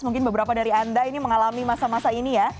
mungkin beberapa dari anda ini mengalami masa masa ini ya